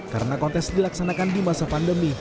karena kontes dilaksanakan di masa pandemi